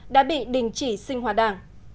đã bị đình chỉ sinh hòa đảng